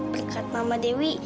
berkat mama dewi